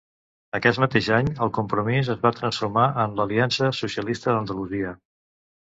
Aquest mateix any, el Compromís es va transformar en l'Aliança Socialista d'Andalusia.